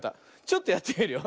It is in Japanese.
ちょっとやってみるよ。